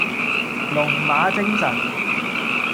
龍馬精神